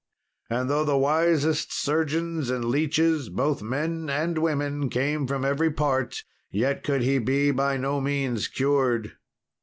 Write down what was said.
And, though the wisest surgeons and leeches both men and women came from every part, yet could he be by no means cured.